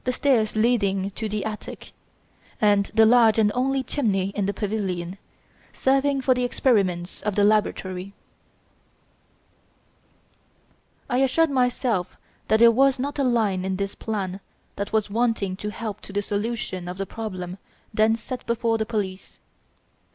Stairs leading to the attic. 6. Large and the only chimney in the pavilion, serving for the experiments of the laboratory. The plan was drawn by Rouletabille, and I assured myself that there was not a line in it that was wanting to help to the solution of the problem then set before the police.